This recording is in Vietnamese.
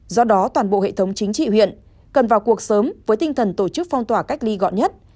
do đó toàn bộ hệ thống chính trị huyện cần vào cuộc sớm với tinh thần tổ chức phong tỏa cách ly gọn nhất